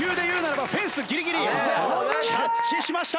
キャッチしました。